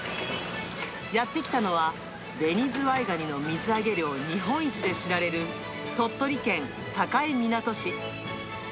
やって来たのはベニズワイガニの水揚げ量日本一で知られる、鳥取県境港市。